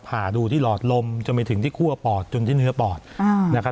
ผ่าดูที่หลอดลมจนไปถึงที่คั่วปอดจนที่เนื้อปอดนะครับ